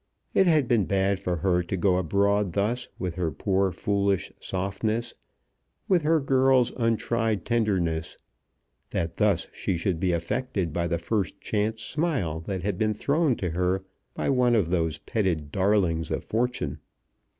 It had been bad for her to go abroad thus with her poor foolish softness, with her girl's untried tenderness, that thus she should be affected by the first chance smile that had been thrown to her by one of those petted darlings of Fortune!